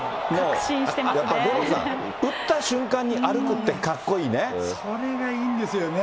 五郎さん、打った瞬間に歩くそれがいいんですよね。